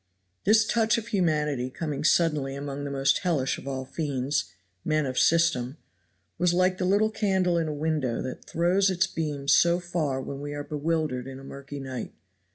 This touch of humanity coming suddenly among the most hellish of all fiends men of system was like the little candle in a window that throws its beams so far when we are bewildered in a murky night.